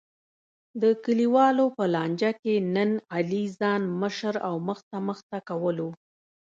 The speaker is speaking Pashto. د کلیوالو په لانجه کې نن علی ځان مشر او مخته مخته کولو.